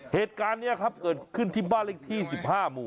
เหตุการณ์นี้ครับเกิดขึ้นที่บ้านเลขที่๑๕หมู่